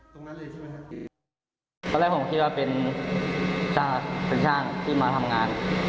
ตอนแรกผมคิดว่าเป็นช่างเป็นช่างที่มาทำงาน